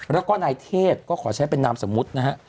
แล้วก็นายเทพก็ขอใช้เป็นนามสมมุตินะฮะ